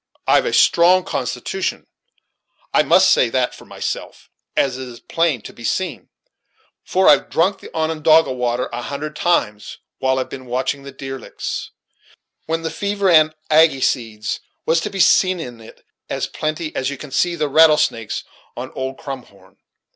I've a strong constitution, I must say that for myself, as is plain to be seen; for I've drunk the Onondaga water a hundred times, while I've been watching the deer licks, when the fever an' agy seeds was to be seen in it as plain and as plenty as you can see the rattle snakes on old Crumhorn.